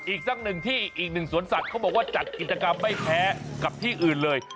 อีกสักหนึ่งที่อีกหนึ่งสวนสัตว์เขาบอกว่าจัดกิจกรรมไม่แพ้กับที่อื่นเลย